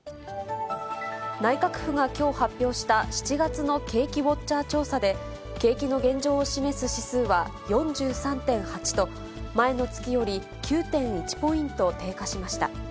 内閣府がきょう発表した７月の景気ウォッチャー調査で、景気の現状を示す指数は４３．８と、前の月より９．１ポイント低下しました。